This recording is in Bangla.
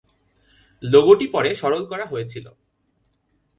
লোগোটি পরে সরল করা হয়েছিল।